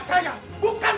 tangan jangan jangan